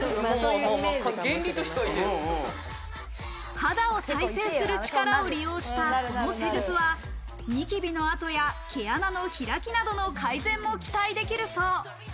肌を再生する力を利用したこの施術は、ニキビの跡や毛穴の開きなどの改善も期待できるそう。